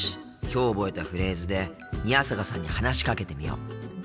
きょう覚えたフレーズで宮坂さんに話しかけてみよう。